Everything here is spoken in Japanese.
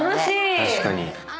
確かに。